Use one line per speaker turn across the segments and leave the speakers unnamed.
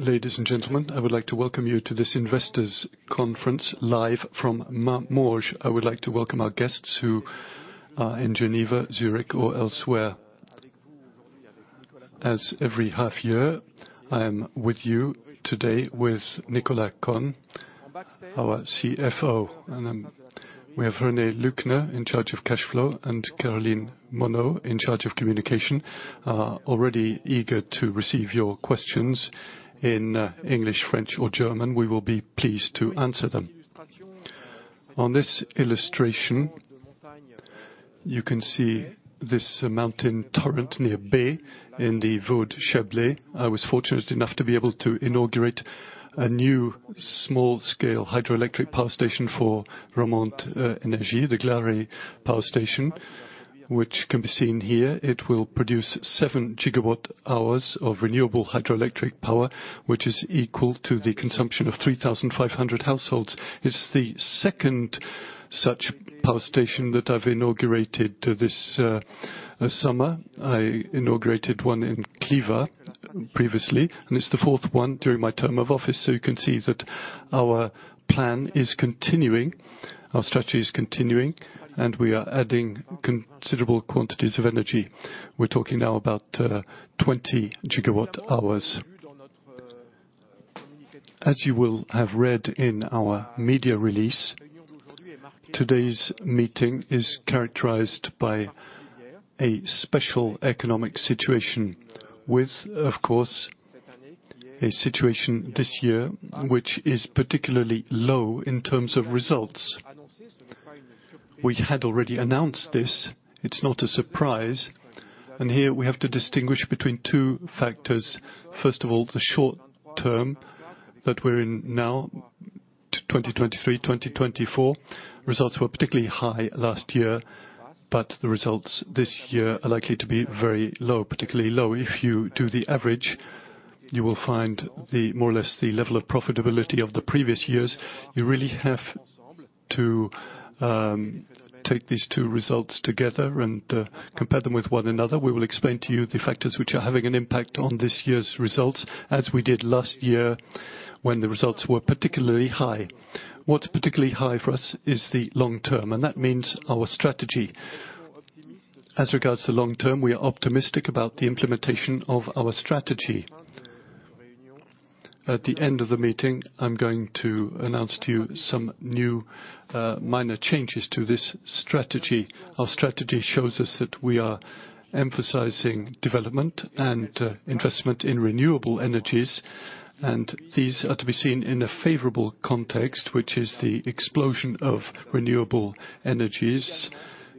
Ladies and gentlemen, I would like to welcome you to this investors conference, live from Morges. I would like to welcome our guests who are in Geneva, Zurich, or elsewhere. As every half year, I am with you today with Nicolas Conne, our CFO, and, we have René Lauckner, in charge of cash flow, and Caroline Monod, in charge of communication. Already eager to receive your questions in English, French, or German. We will be pleased to answer them. On this illustration, you can see this mountain torrent near Bex in the Vaud, Chablais. I was fortunate enough to be able to inaugurate a new small-scale hydroelectric power station for Romande Energie, the Glarey Power Station, which can be seen here. It will produce seven gigawatt hours of renewable hydroelectric power, which is equal to the consumption of 3,500 households. It's the second such power station that I've inaugurated this summer. I inaugurated one in Les Clées previously, and it's the fourth one during my term of office, so you can see that our plan is continuing, our strategy is continuing, and we are adding considerable quantities of energy. We're talking now about 20 GW hours. As you will have read in our media release, today's meeting is characterized by a special economic situation with, of course, a situation this year which is particularly low in terms of results. We had already announced this. It's not a surprise, and here we have to distinguish between two factors. First of all, the short term that we're in now, 2023, 2024. Results were particularly high last year, but the results this year are likely to be very low, particularly low. If you do the average, you will find the more or less the level of profitability of the previous years. You really have to take these two results together and compare them with one another. We will explain to you the factors which are having an impact on this year's results, as we did last year when the results were particularly high. What's particularly high for us is the long term, and that means our strategy. As regards to long term, we are optimistic about the implementation of our strategy. At the end of the meeting, I'm going to announce to you some new minor changes to this strategy. Our strategy shows us that we are emphasizing development and investment in renewable energies, and these are to be seen in a favorable context, which is the explosion of renewable energies,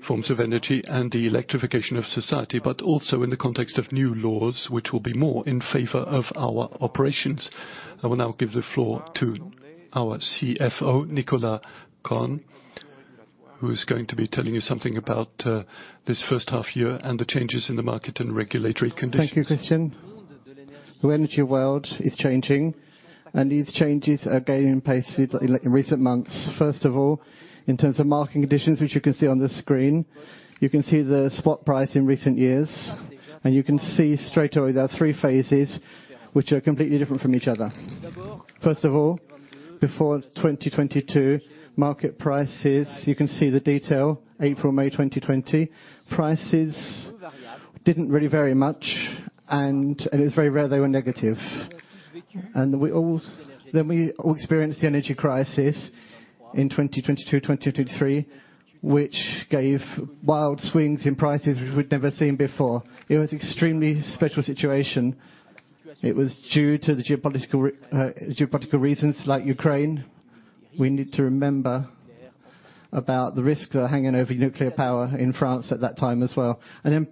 forms of energy, and the electrification of society, but also in the context of new laws, which will be more in favor of our operations. I will now give the floor to our CFO, Nicolas Conne, who is going to be telling you something about this first half year and the changes in the market and regulatory conditions.
Thank you, Christian. The energy world is changing, and these changes are gaining pace in recent months. First of all, in terms of market conditions, which you can see on the screen, you can see the spot price in recent years, and you can see straightaway there are three phases which are completely different from each other. First of all, before 2022, market prices, you can see the detail, April, May 2020. Prices didn't really vary much, and it was very rare they were negative. Then we all experienced the energy crisis in 2022,2023, which gave wild swings in prices which we'd never seen before. It was extremely special situation. It was due to the geopolitical reasons like Ukraine. We need to remember about the risks that are hanging over nuclear power in France at that time as well. Then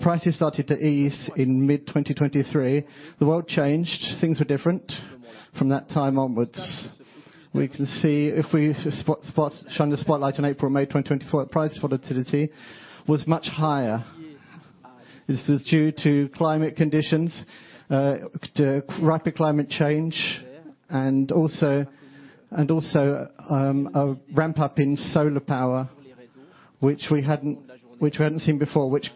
prices started to ease in mid-2023. The world changed. Things were different from that time onwards. We can see if we shine the spotlight on April, May 2024, price volatility was much higher. This is due to climate conditions, to rapid climate change, and also, a ramp up in solar power, which we hadn't seen before, which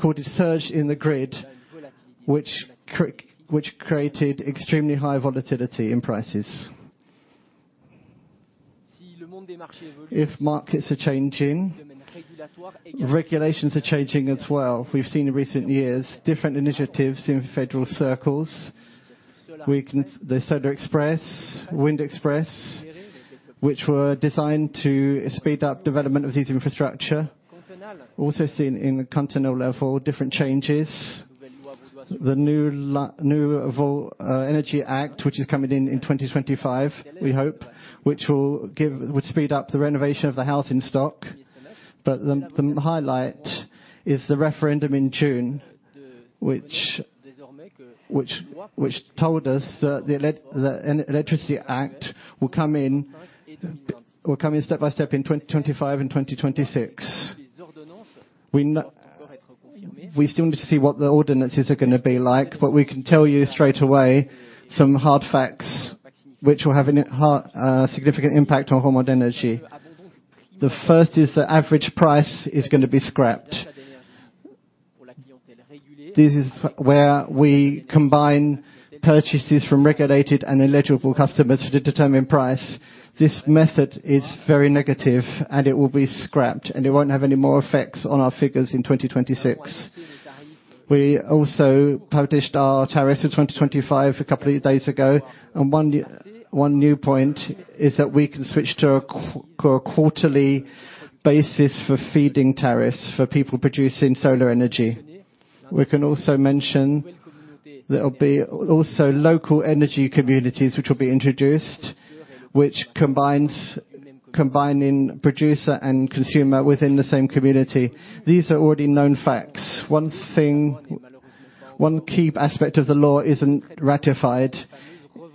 caused a surge in the grid, which created extremely high volatility in prices. If markets are changing, regulations are changing as well. We've seen in recent years different initiatives in federal circles. The Solar Express, Wind Express, which were designed to speed up development of these infrastructure. Also seen at the continental level, different changes. The new Energy Act, which is coming in 2025, we hope, which will speed up the renovation of the housing stock. But the highlight is the referendum in June, which told us that the Electricity Act will come in step by step in 2025 and 2026. We still need to see what the ordinances are gonna be like, but we can tell you straight away some hard facts which will have a significant impact on Romande Energie. The first is the average price is gonna be scrapped. This is where we combine purchases from regulated and eligible customers to determine price. This method is very negative, and it will be scrapped, and it won't have any more effects on our figures in 2026. We also published our tariffs in 2025, a couple of days ago, and one new point is that we can switch to a quarterly basis for feed-in tariffs for people producing solar energy. We can also mention there will be also local energy communities which will be introduced, combining producer and consumer within the same community. These are already known facts. One thing, one key aspect of the law isn't ratified,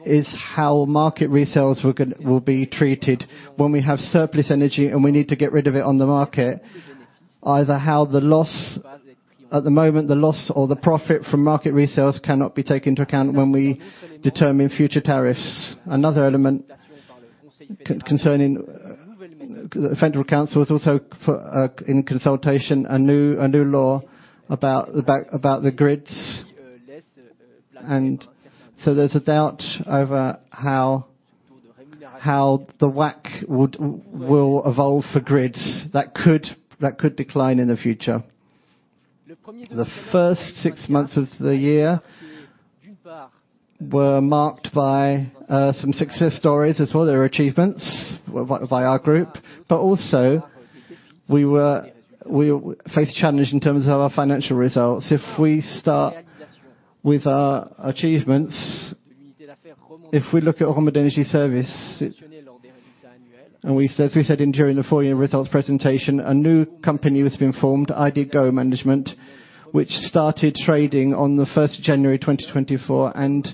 is how market resales will be treated when we have surplus energy, and we need to get rid of it on the market. At the moment, the loss or the profit from market resales cannot be taken into account when we determine future tariffs. Another element concerning the Federal Council is also in consultation a new law about the grids. And so there's a doubt over how the WACC will evolve for grids that could decline in the future. The first six months of the year were marked by some success stories as well. There were achievements by our group, but also, we faced a challenge in terms of our financial results. If we start with our achievements, if we look at Romande Energie Services, and we said, as we said during the full year results presentation, a new company has been formed, ID GO Management, which started trading on the first January, 2024, and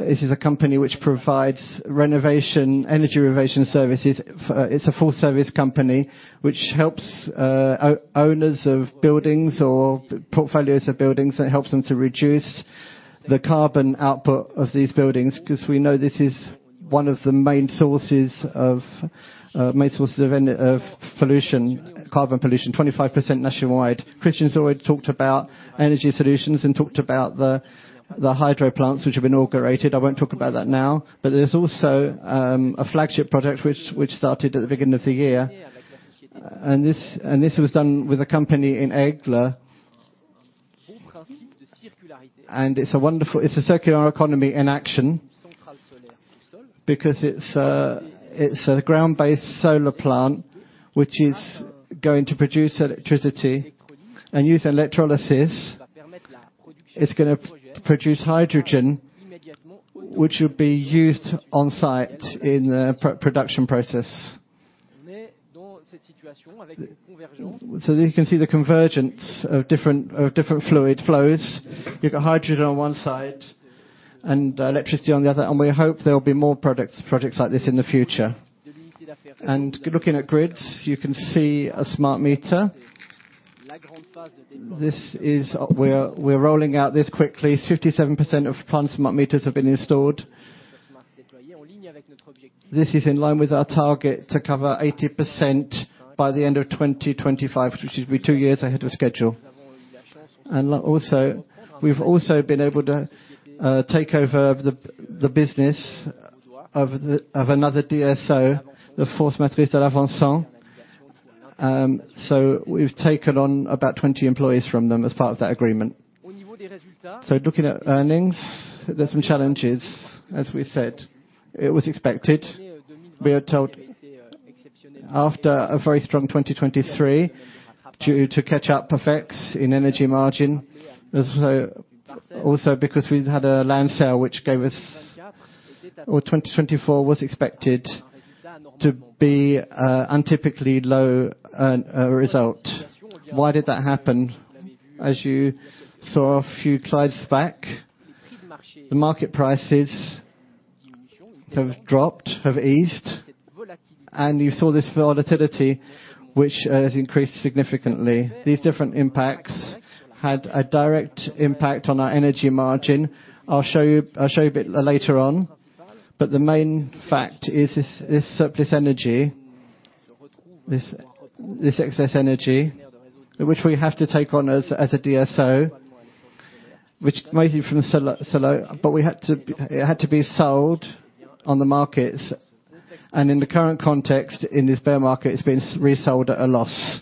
this is a company which provides renovation, energy renovation services. It's a full service company, which helps owners of buildings or portfolios of buildings. It helps them to reduce the carbon output of these buildings, 'cause we know this is one of the main sources of pollution, carbon pollution, 25% nationwide. Christian has already talked about Energy Solutions and talked about the hydro plants which have been inaugurated. I won't talk about that now, but there's also a flagship project which started at the beginning of the year, and this was done with a company in Aigle. It's a wonderful. It's a circular economy in action, because it's a ground-based solar plant, which is going to produce electricity and use electrolysis. It's gonna produce hydrogen, which will be used on site in the production process. So you can see the convergence of different fluid flows. You've got hydrogen on one side and electricity on the other, and we hope there will be more projects like this in the future. Looking at grids, you can see a smart meter. This is where we're rolling out this quickly. 57% of plant smart meters have been installed. This is in line with our target to cover 80% by the end of 2025, which will be two years ahead of schedule. And also, we've also been able to take over the business of another DSO, the Forces Motrices de l'Avançon. So we've taken on about 20 employees from them as part of that agreement. So looking at earnings, there's some challenges, as we said. It was expected. We are told after a very strong 2023, to catch up effects in energy margin, as also because we had a land sale, which gave us. Where 2024 was expected to be an atypically low result. Why did that happen? As you saw a few slides back, the market prices have dropped, have eased, and you saw this volatility, which has increased significantly. These different impacts had a direct impact on our energy margin. I'll show you a bit later on, but the main fact is this surplus energy, this excess energy, which we have to take on as a DSO, which mainly from the solar, but it had to be sold on the markets, and in the current context, in this bear market, it's been resold at a loss.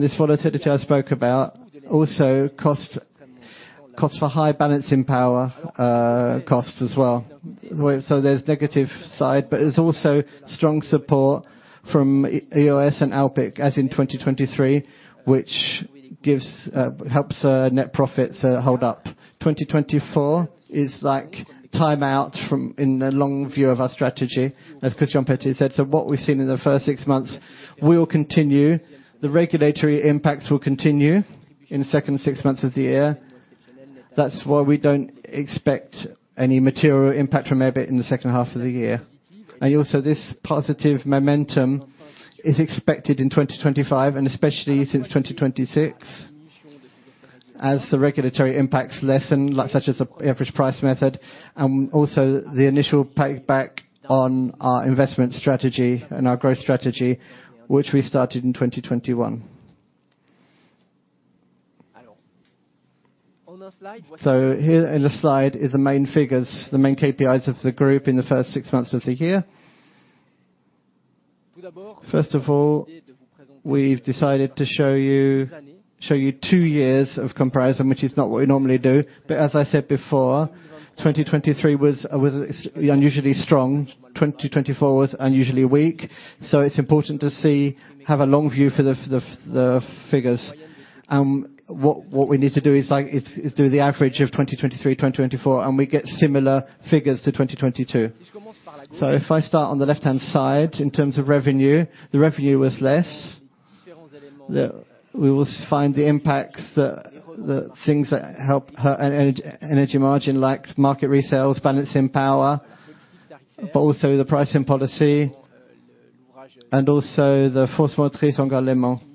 This volatility I spoke about also costs for high balancing power, costs as well. There's a negative side, but there's also strong support from EOS and Alpiq, as in 2023, which gives helps net profits hold up. 2024 is like time out from, in the long view of our strategy, as Christian Petit said. What we've seen in the first six months will continue. The regulatory impacts will continue in the second six months of the year. That's why we don't expect any material impact from EBIT in the second half of the year. And also, this positive momentum is expected in 2025, and especially since 2026... as the regulatory impacts lessen, like such as the average price method, and also the initial payback on our investment strategy and our growth strategy, which we started in 2021. Here in the slide is the main figures, the main KPIs of the group in the first six months of the year. First of all, we've decided to show you two years of comparison, which is not what we normally do. But as I said before, 2023 was unusually strong. 2024 was unusually weak. It's important to see, have a long view for the figures. What we need to do is do the average of 2023, 2024, and we get similar figures to 2022. If I start on the left-hand side, in terms of revenue, the revenue was less. The. We will find the impacts, the things that help energy margin, like market resales, balancing power, but also the pricing policy and also the Forces Motrices de l'Avançon.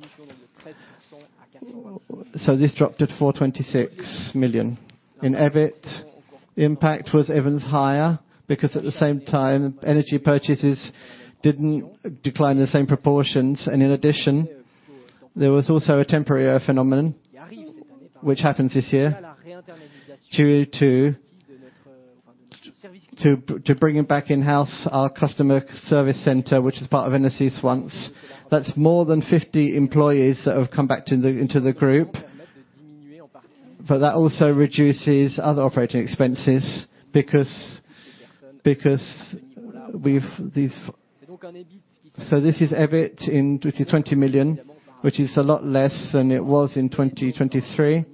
So this dropped to 426 million. In EBIT, impact was even higher, because at the same time, energy purchases didn't decline the same proportions, and in addition, there was also a temporary phenomenon, which happens this year, due to bringing back in-house our customer service center, which is part of Energie once. That's more than 50 employees that have come back to the into the group. But that also reduces other operating expenses because we've these. So this is EBIT in 2020 million, which is a lot less than it was in 2023,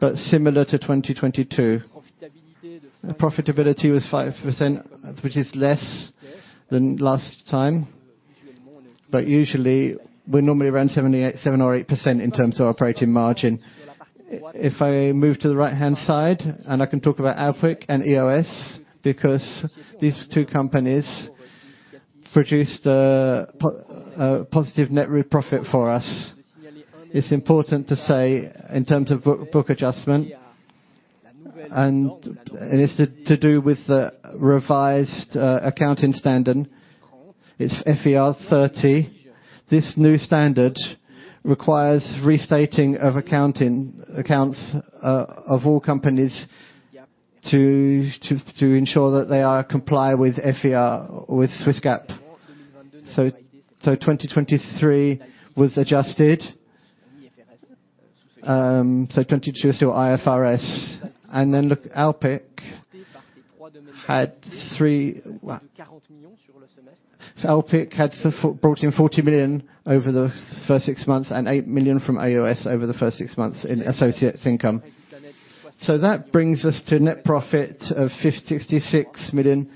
but similar to 2022. The profitability was 5%, which is less than last time, but usually we're normally around 7%-8% in terms of operating margin. If I move to the right-hand side, and I can talk about Alpiq and EOS, because these two companies produced a positive net real profit for us. It's important to say, in terms of book adjustment, and it is to do with the revised accounting standard. It's FER 30. This new standard requires restating of accounting accounts of all companies to ensure that they comply with FER, with Swiss GAAP. So 2023 was adjusted. So 2022, so IFRS, and then Alpiq had brought in 40 million over the first six months and 8 million from EOS over the first six months in associates income. So that brings us to net profit of 56 million,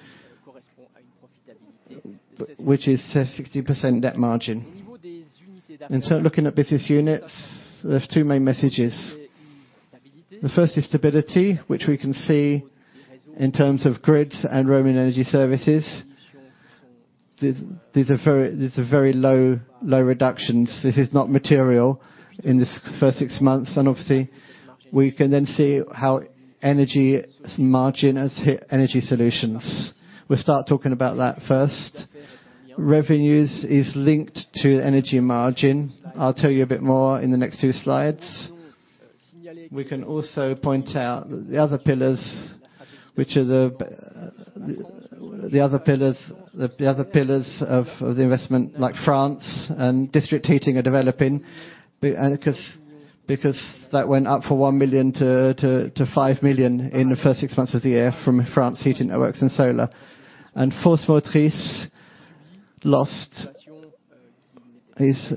which is 60% net margin. Looking at business units, there are two main messages. The first is stability, which we can see in terms of grids and Romande Energie Services. These are very low reductions. This is not material in this first six months. And obviously, we can then see how energy margin has hit Energy Solutions. We'll start talking about that first. Revenues is linked to energy margin. I'll tell you a bit more in the next two slides. We can also point out the other pillars of the investment, like France and district heating are developing. And because that went up from 1 million to 5 million in the first six months of the year from France heating networks and solar. And Forces Motrices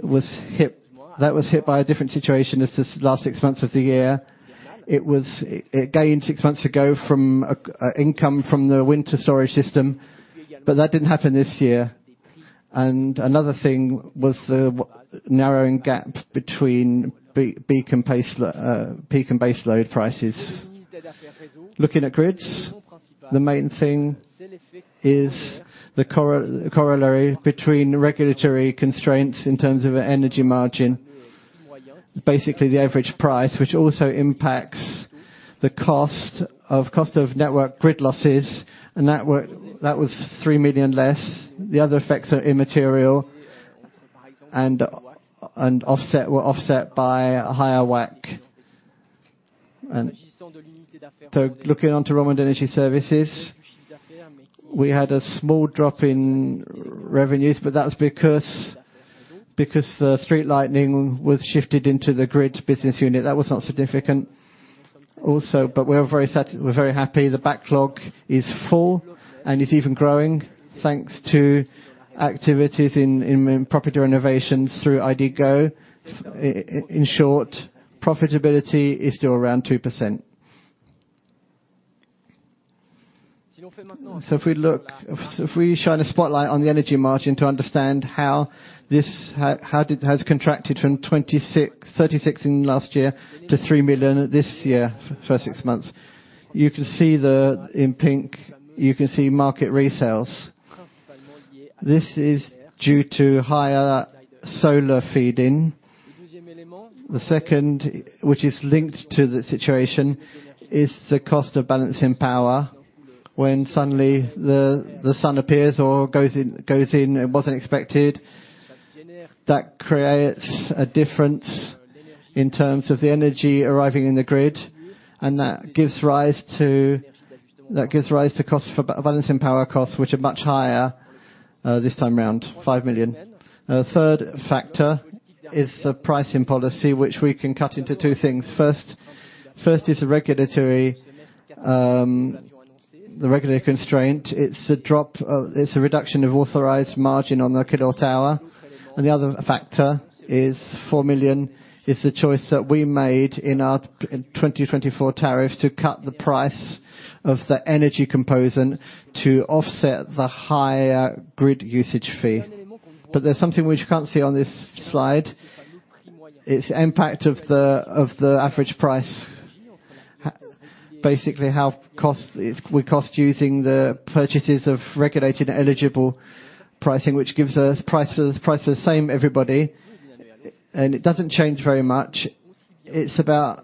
was hit by a different situation as this last six months of the year. It gained six months ago from an income from the winter storage system, but that didn't happen this year. And another thing was the narrowing gap between peak and base load prices. Looking at grids, the main thing is the corollary between regulatory constraints in terms of energy margin, basically the average price, which also impacts the cost of network grid losses, and that was 3 million less. The other effects are immaterial and were offset by a higher WACC. And so looking onto Romande Energie Services, we had a small drop in revenues, but that's because the street lighting was shifted into the grid business unit. That was not significant. But we're very happy. The backlog is full and is even growing, thanks to activities in property renovations through ID GO. In short, profitability is still around 2%. So if we look, if we shine a spotlight on the energy margin to understand how this, how it has contracted from 26.3 million last year to 3 million this year, for six months, you can see, in pink, you can see market resales. This is due to higher solar feed-in. The second, which is linked to the situation, is the cost of balancing power. When suddenly the sun appears or goes in, it wasn't expected. That creates a difference in terms of the energy arriving in the grid, and that gives rise to costs for balancing power costs, which are much higher this time around, 5 million. Third factor is the pricing policy, which we can cut into two things. First is regulatory, the regulatory constraint. It's a drop. It's a reduction of authorized margin on the capital tower, and the other factor is four million, the choice that we made in our twenty twenty-four tariffs to cut the price of the energy component to offset the higher grid usage fee. But there's something which you can't see on this slide. It's impact of the average price, basically, how we cost using the purchases of regulated eligible pricing, which gives us price for the same everybody, and it doesn't change very much. It's about.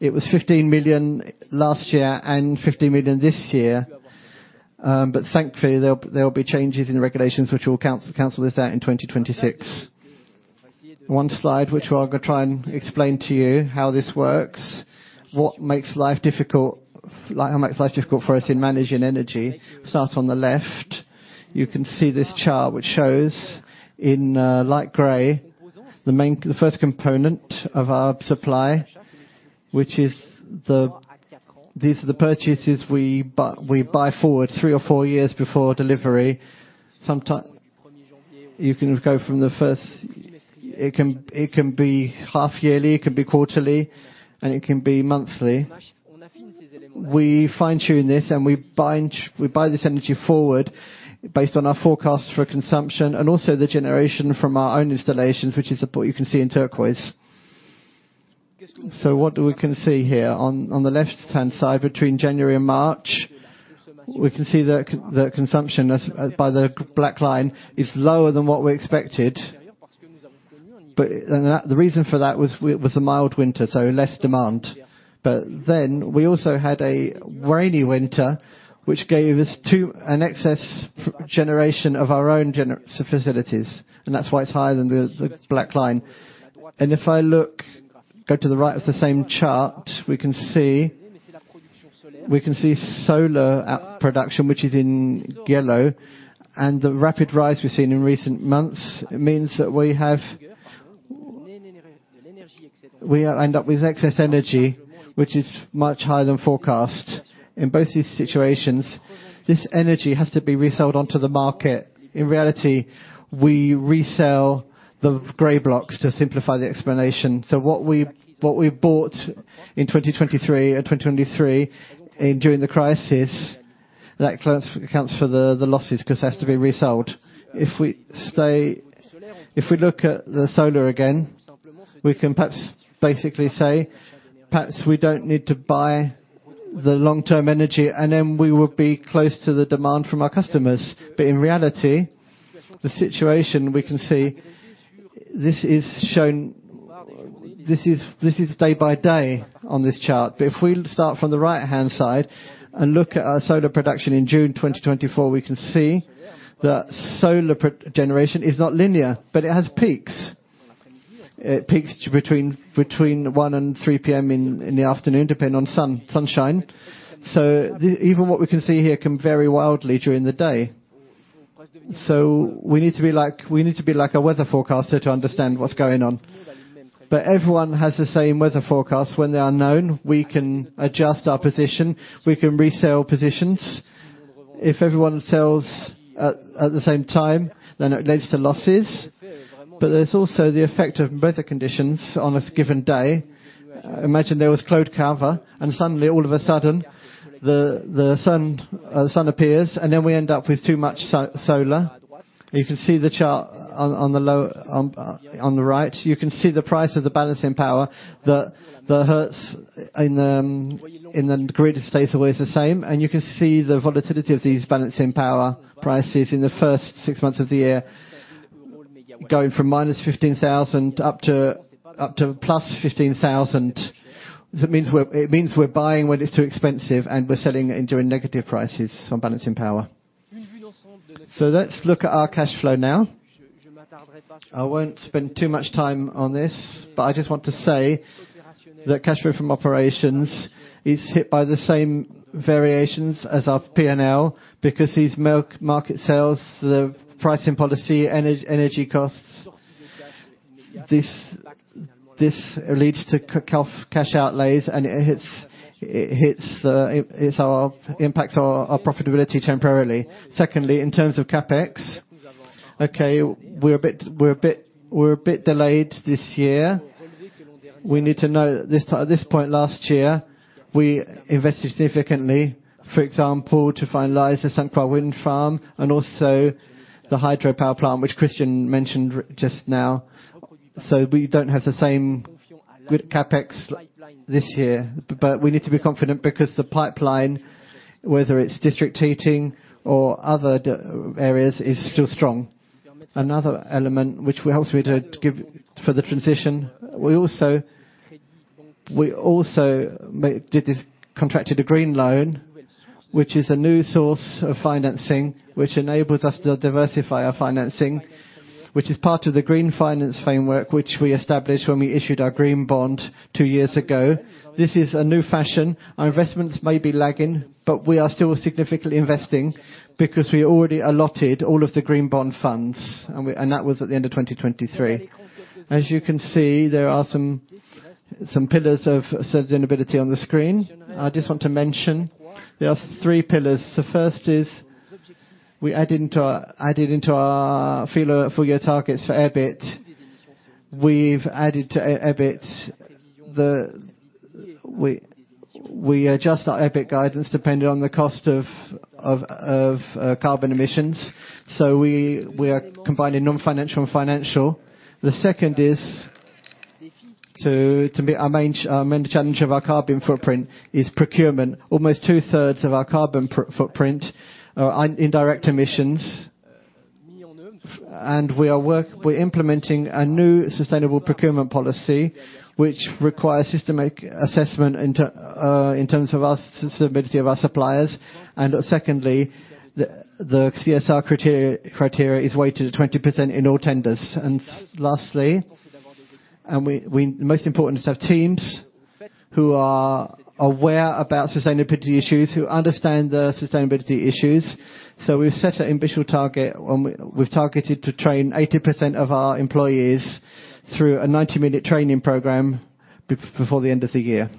It was 15 million last year and 15 million this year, but thankfully, there will be changes in the regulations which will cancel this out in 2026. One slide, which I'm gonna try and explain to you how this works, what makes life difficult, like, how makes life difficult for us in managing energy. Start on the left. You can see this chart, which shows in light gray, the main, the first component of our supply, which is these are the purchases we buy forward three or four years before delivery. Sometimes, you can go from the first. It can be half yearly, it can be quarterly, and it can be monthly. We fine-tune this, and we buy this energy forward based on our forecast for consumption and also the generation from our own installations, which is the part you can see in turquoise. So what we can see here on the left-hand side, between January and March, we can see the consumption by the black line is lower than what we expected. But the reason for that was a mild winter, so less demand. But then we also had a rainy winter, which gave us too an excess generation of our own generation facilities, and that's why it's higher than the black line. And if I look to the right of the same chart, we can see solar production, which is in yellow, and the rapid rise we've seen in recent months, it means that we end up with excess energy, which is much higher than forecast. In both these situations, this energy has to be resold onto the market. In reality, we resell the gray blocks to simplify the explanation. So what we bought in 2023 during the crisis, that counts for the losses 'cause it has to be resold. If we look at the solar again, we can perhaps basically say, perhaps we don't need to buy the long-term energy, and then we will be close to the demand from our customers. But in reality, the situation we can see, this is shown day by day on this chart. But if we start from the right-hand side and look at our solar production in June 2024, we can see that solar production is not linear, but it has peaks. It peaks between one and 3 P.M. in the afternoon, depending on sunshine. So, even what we can see here can vary wildly during the day. We need to be like, we need to be like a weather forecaster to understand what's going on. But everyone has the same weather forecast. When they are known, we can adjust our position, we can resell positions. If everyone sells at the same time, then it leads to losses. But there's also the effect of weather conditions on a given day. Imagine there was cloud cover, and suddenly, all of a sudden, the sun appears, and then we end up with too much solar. You can see the chart on the left, on the right. You can see the price of the balancing power, the hertz in the grid, stays always the same. And you can see the volatility of these balancing power prices in the first six months of the year, going from minus 15,000 up to plus 15,000. That means we're buying when it's too expensive, and we're selling it during negative prices on balancing power. So let's look at our cash flow now. I won't spend too much time on this, but I just want to say that cash flow from operations is hit by the same variations as our P&L because these bulk-market sales, the pricing policy, energy costs, this leads to cash outlays, and it impacts our profitability temporarily. Secondly, in terms of CapEx, okay, we're a bit delayed this year. We need to know this time at this point last year, we invested significantly, for example, to finalize the Sainte-Croix Wind Farm and also the hydropower plant, which Christian mentioned just now. So we don't have the same good CapEx this year. But we need to be confident because the pipeline, whether it's district heating or other areas, is still strong. Another element which helps me to give for the transition, we also contracted a green loan, which is a new source of financing, which enables us to diversify our financing, which is part of the Green Finance Framework, which we established when we issued our green bond two years ago. This is a new fashion. Our investments may be lagging, but we are still significantly investing because we already allotted all of the green bond funds, and that was at the end of 2023. As you can see, there are some pillars of sustainability on the screen. I just want to mention there are three pillars. The first is we added into our full year targets for EBIT. We've added to EBIT. We adjust our EBIT guidance depending on the cost of carbon emissions, so we are combining non-financial and financial. The second is our main challenge of our carbon footprint is procurement. Almost two-thirds of our carbon footprint are indirect emissions, and we're implementing a new sustainable procurement policy, which requires systematic assessment in terms of our sustainability of our suppliers. And secondly, the CSR criteria is weighted 20% in all tenders. And lastly, most important is to have teams who are aware about sustainability issues, who understand the sustainability issues. So we've set an ambitious target, and we've targeted to train 80% of our employees through a ninety-minute training program before the end of the year.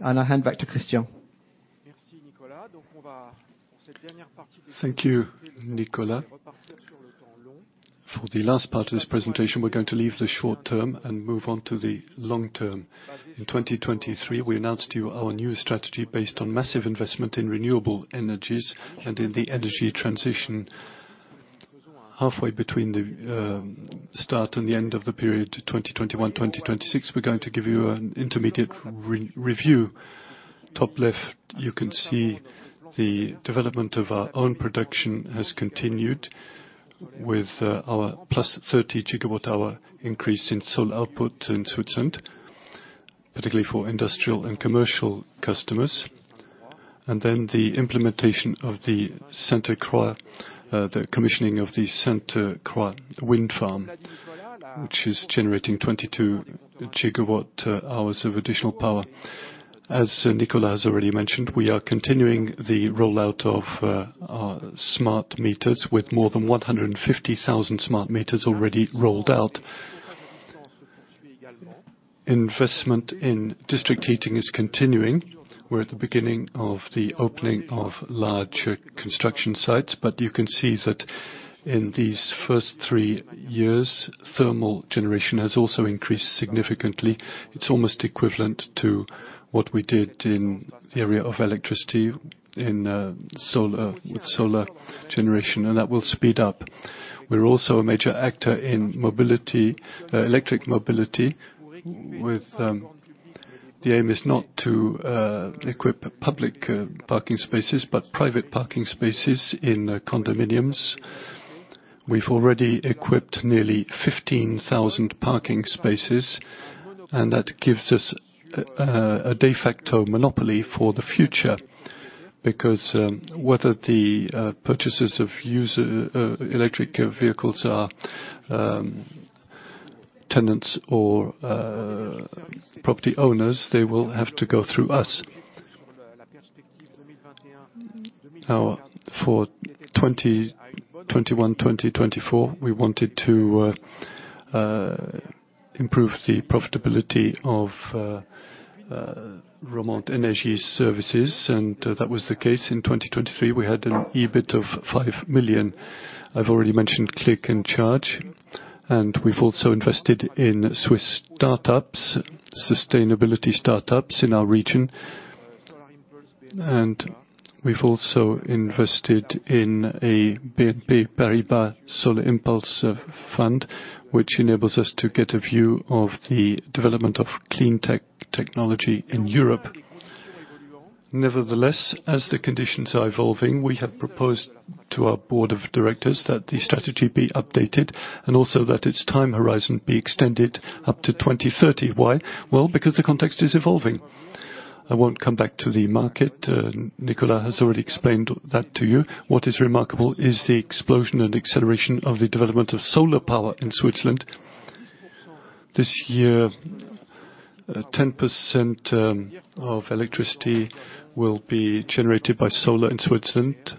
And I hand back to Christian.
Thank you, Nicolas. For the last part of this presentation, we're going to leave the short term and move on to the long term. In 2023, we announced to you our new strategy based on massive investment in renewable energies and in the energy transition. Halfway between the start and the end of the period, 2021, 2026, we're going to give you an intermediate review. Top left, you can see the development of our own production has continued with our plus 30 GW hour increase in solar output in Switzerland, particularly for industrial and commercial customers, and then the implementation of the Sainte-Croix, the commissioning of the Sainte-Croix wind farm, which is generating 22 GW hours of additional power. As Nicolas has already mentioned, we are continuing the rollout of our smart meters, with more than 150,000 smart meters already rolled out. Investment in district heating is continuing. We're at the beginning of the opening of larger construction sites, but you can see that in these first three years, thermal generation has also increased significantly. It's almost equivalent to what we did in the area of electricity, in solar, with solar generation, and that will speed up. We're also a major actor in mobility, electric mobility, with the aim is not to equip public parking spaces, but private parking spaces in condominiums. We've already equipped nearly 15,000 parking spaces, and that gives us a de facto monopoly for the future, because whether the purchasers of user electric vehicles are tenants or property owners, they will have to go through us. Now for 2021, 2024, we wanted to improve the profitability of Romande Energie Services, and that was the case in 2023. We had an EBIT of 5 million. I've already mentioned Click & Charge, and we've also invested in Swiss startups, sustainability startups in our region. We've also invested in a BNP Paribas Solar Impulse fund, which enables us to get a view of the development of clean technology in Europe. Nevertheless, as the conditions are evolving, we have proposed to our board of directors that the strategy be updated and also that its time horizon be extended up to 2030. Why? Well, because the context is evolving. I won't come back to the market. Nicolas has already explained that to you. What is remarkable is the explosion and acceleration of the development of solar power in Switzerland. This year, 10% of electricity will be generated by solar in Switzerland.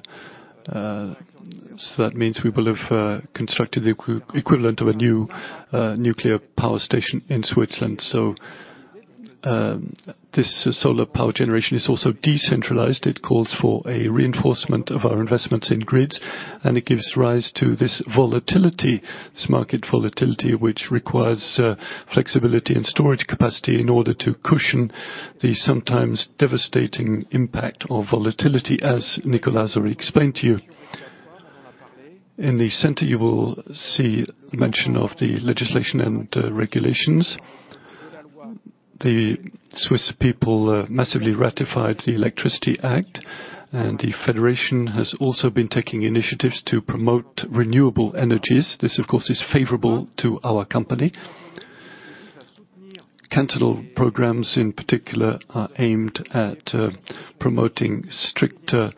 So that means we will have constructed the equivalent of a new nuclear power station in Switzerland. So, this solar power generation is also decentralized. It calls for a reinforcement of our investments in grids, and it gives rise to this volatility, this market volatility, which requires flexibility and storage capacity in order to cushion the sometimes devastating impact of volatility, as Nicolas already explained to you. In the center, you will see mention of the legislation and regulations. The Swiss people massively ratified the Electricity Act, and the Federation has also been taking initiatives to promote renewable energies. This, of course, is favorable to our company. Cantonal programs, in particular, are aimed at promoting stricter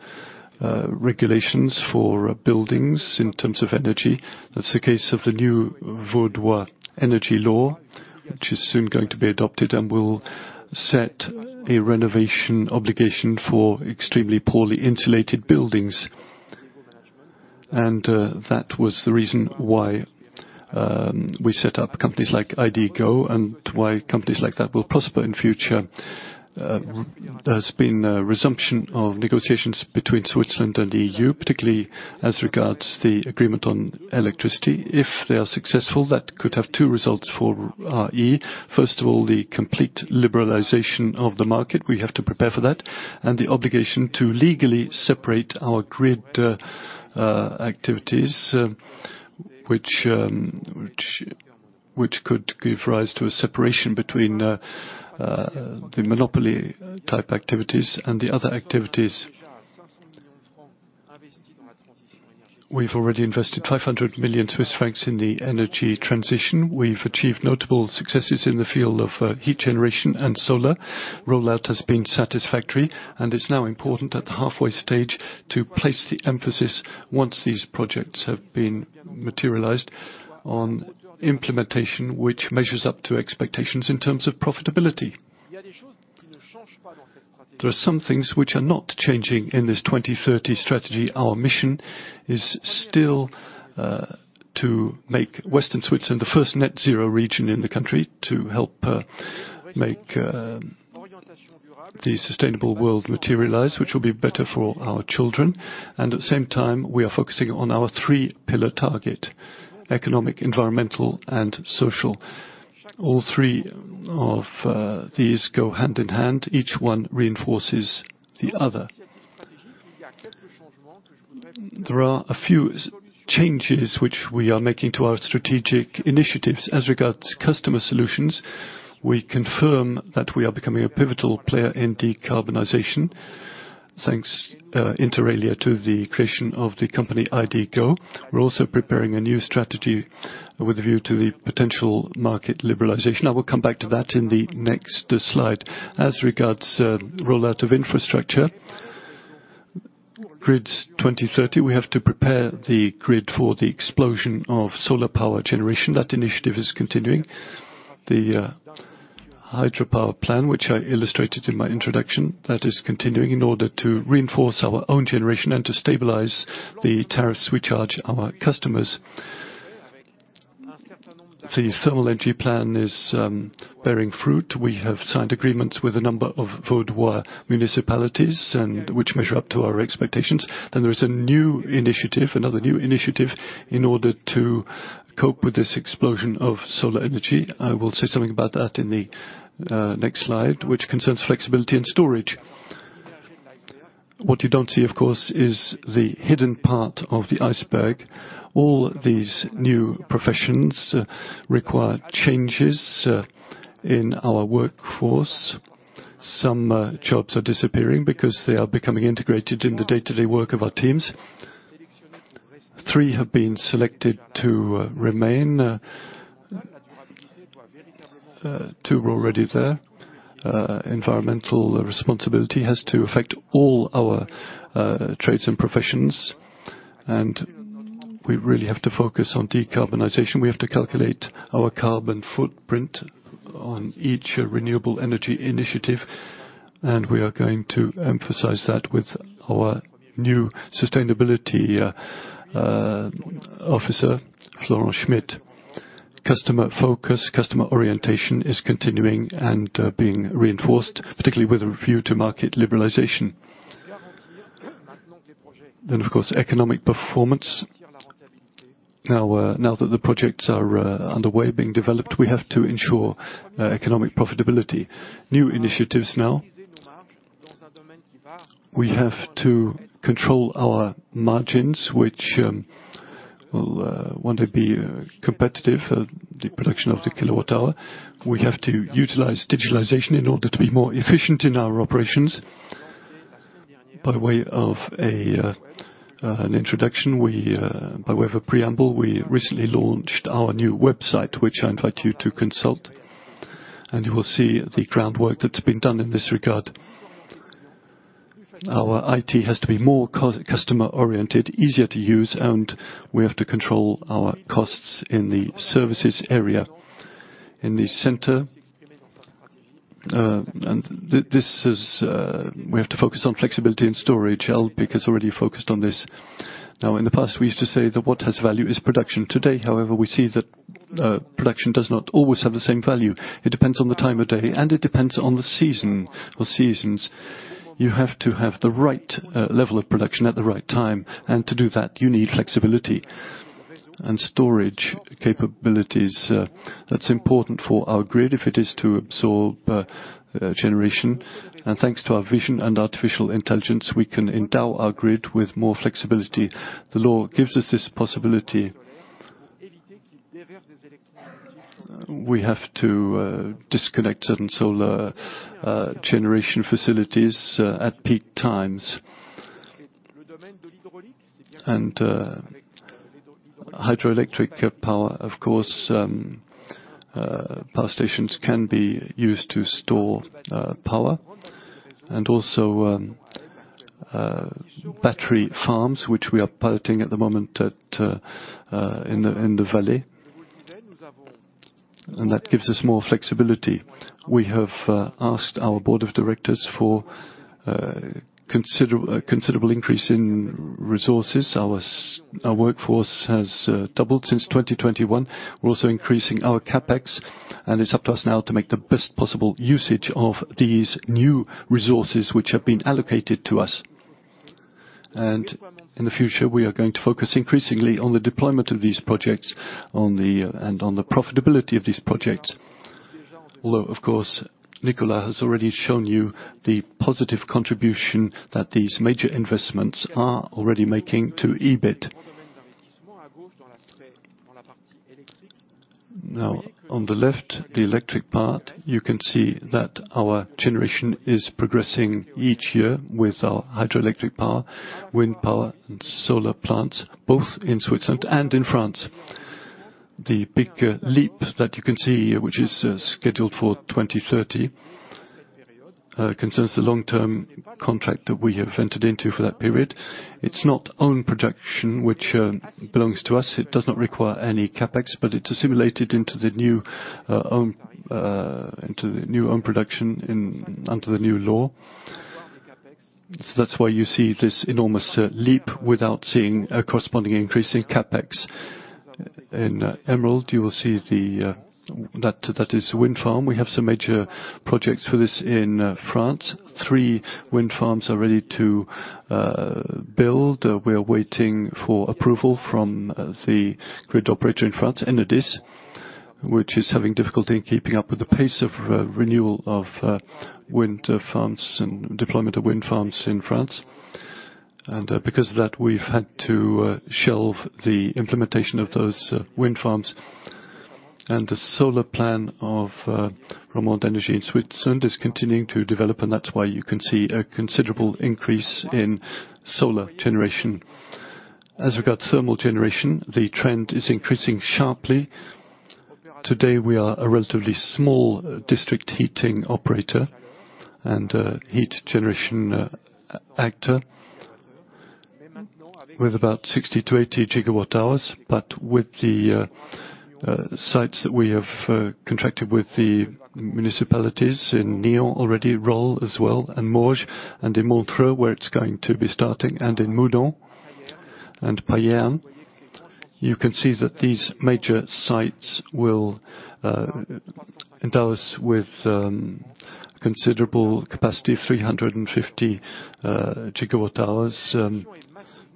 regulations for buildings in terms of energy. That's the case of the new Vaudois energy law, which is soon going to be adopted and will set a renovation obligation for extremely poorly insulated buildings. That was the reason why we set up companies like ID GO, and why companies like that will prosper in future. There's been a resumption of negotiations between Switzerland and the EU, particularly as regards to the agreement on electricity. If they are successful, that could have two results for RE. First of all, the complete liberalization of the market. We have to prepare for that, and the obligation to legally separate our grid activities, which could give rise to a separation between the monopoly-type activities and the other activities. We've already invested 500 million Swiss francs in the energy transition. We've achieved notable successes in the field of heat generation and solar. Rollout has been satisfactory, and it's now important at the halfway stage to place the emphasis, once these projects have been materialized, on implementation, which measures up to expectations in terms of profitability. There are some things which are not changing in this 2030 strategy. Our mission is still to make Western Switzerland the first net zero region in the country, to help make the sustainable world materialize, which will be better for our children. And at the same time, we are focusing on our three pillar target: economic, environmental, and social. All three of these go hand in hand. Each one reinforces the other. There are a few changes which we are making to our strategic initiatives. As regards to customer solutions, we confirm that we are becoming a pivotal player in decarbonization, thanks, inter alia, to the creation of the company ID GO. We're also preparing a new strategy with a view to the potential market liberalization. I will come back to that in the next slide. As regards to rollout of infrastructure, Grids 2030, we have to prepare the grid for the explosion of solar power generation. That initiative is continuing. The hydropower plan, which I illustrated in my introduction, that is continuing in order to reinforce our own generation and to stabilize the tariffs we charge our customers. The thermal energy plan is bearing fruit. We have signed agreements with a number of Vaudois municipalities and which measure up to our expectations. Then there is a new initiative, another new initiative, in order to cope with this explosion of solar energy. I will say something about that in the next slide, which concerns flexibility and storage. What you don't see, of course, is the hidden part of the iceberg. All these new professions require changes in our workforce. Some jobs are disappearing because they are becoming integrated in the day-to-day work of our teams. Three have been selected to remain, two are already there. Environmental responsibility has to affect all our trades and professions, and we really have to focus on decarbonization. We have to calculate our carbon footprint on each renewable energy initiative, and we are going to emphasize that with our new sustainability officer, Florent Schmitt. Customer focus, customer orientation is continuing and, being reinforced, particularly with a view to market liberalization. Then, of course, economic performance. Now, now that the projects are, underway, being developed, we have to ensure, economic profitability. New initiatives now. We have to control our margins, which, will, one day be competitive, the production of the kilowatt hour. We have to utilize digitalization in order to be more efficient in our operations. By way of a, an introduction, we, by way of a preamble, we recently launched our new website, which I invite you to consult, and you will see the groundwork that's been done in this regard. Our IT has to be more customer oriented, easier to use, and we have to control our costs in the services area. In the center, and this is, we have to focus on flexibility and storage. Alpiq has already focused on this. Now, in the past, we used to say that what has value is production. Today, however, we see that production does not always have the same value. It depends on the time of day, and it depends on the season or seasons. You have to have the right level of production at the right time, and to do that, you need flexibility and storage capabilities. That's important for our grid if it is to absorb generation. And thanks to our vision and artificial intelligence, we can endow our grid with more flexibility. The law gives us this possibility. We have to disconnect certain solar generation facilities at peak times. Hydroelectric power, of course, power stations can be used to store power, and also battery farms, which we are piloting at the moment in the valley. And that gives us more flexibility. We have asked our board of directors for a considerable increase in resources. Our workforce has doubled since 2021. We're also increasing our CapEx, and it's up to us now to make the best possible usage of these new resources which have been allocated to us. And in the future, we are going to focus increasingly on the deployment of these projects, on and on the profitability of these projects. Although, of course, Nicolas has already shown you the positive contribution that these major investments are already making to EBIT. Now, on the left, the electric part, you can see that our generation is progressing each year with our hydroelectric power, wind power, and solar plants, both in Switzerland and in France. The big leap that you can see, which is scheduled for 2030, concerns the long-term contract that we have entered into for that period. It's not own production, which belongs to us. It does not require any CapEx, but it is assimilated into the new own production under the new law. So that's why you see this enormous leap without seeing a corresponding increase in CapEx. In Emerald, you will see that is wind farm. We have some major projects for this in France. Three wind farms are ready to build. We are waiting for approval from the grid operator in France, Enedis, which is having difficulty in keeping up with the pace of renewal of wind farms and deployment of wind farms in France. And because of that, we've had to shelve the implementation of those wind farms. And the solar plan of Romande Energie in Switzerland is continuing to develop, and that's why you can see a considerable increase in solar generation. As regards thermal generation, the trend is increasing sharply. Today, we are a relatively small district heating operator and heat generation actor with about 60-80 gigawatt hours. But with the sites that we have contracted with the municipalities in Nyon already, Rolle as well, and Morges, and in Montreux, where it's going to be starting, and in Moudon and Payerne, you can see that these major sites will endow us with considerable capacity, 350 GW hours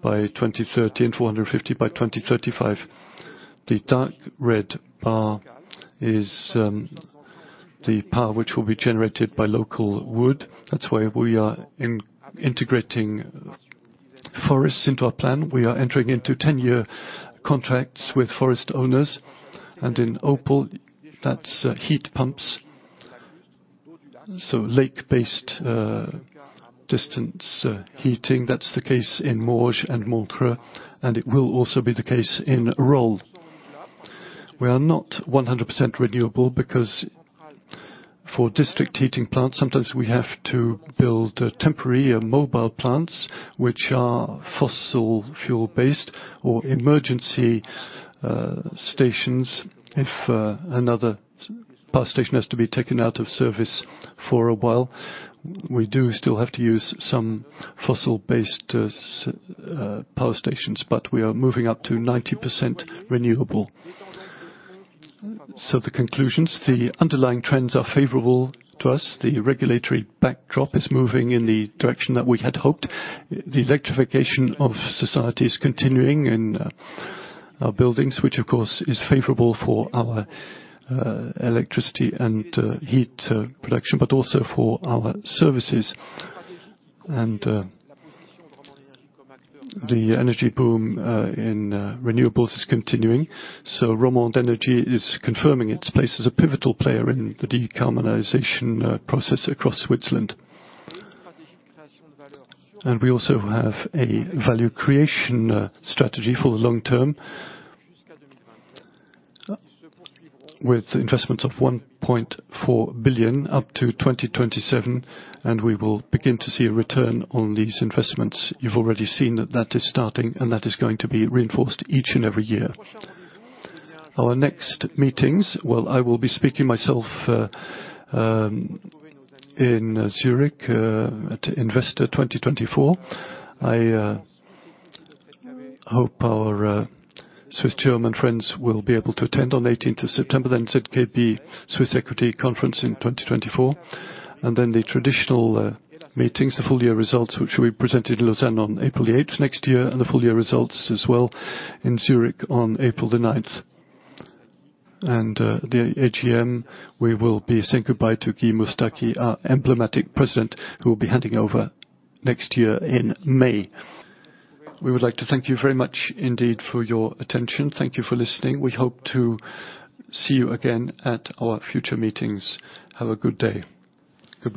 by 2030, and 450 GW by 2035. The dark red bar is the power which will be generated by local wood. That's why we are integrating forests into our plan. We are entering into ten-year contracts with forest owners, and in Opal, that's heat pumps, so lake-based district heating. That's the case in Morges and Montreux, and it will also be the case in Rolle. We are not 100% renewable because for district heating plants, sometimes we have to build temporary and mobile plants, which are fossil fuel-based or emergency stations if another power station has to be taken out of service for a while. We do still have to use some fossil-based power stations, but we are moving up to 90% renewable. So the conclusions, the underlying trends are favorable to us. The regulatory backdrop is moving in the direction that we had hoped. The electrification of society is continuing in our buildings, which of course is favorable for our electricity and heat production, but also for our services. The energy boom in renewables is continuing, so Romande Energie is confirming its place as a pivotal player in the decarbonization process across Switzerland. And we also have a value creation strategy for the long term, with investments of 1.4 billion up to 2027, and we will begin to see a return on these investments. You've already seen that is starting, and that is going to be reinforced each and every year. Our next meetings, well, I will be speaking myself in Zurich at Investor 2024. I hope our Swiss German friends will be able to attend on the eighteenth of September, then ZKB Swiss Equity Conference in 2024. And then the traditional meetings, the full year results, which will be presented in Lausanne on April the eighth next year, and the full year results as well in Zurich on April the 9th. And, the AGM, we will be saying goodbye to Guy Mustaki, our emblematic president, who will be handing over next year in May. We would like to thank you very much indeed for your attention. Thank you for listening. We hope to see you again at our future meetings. Have a good day.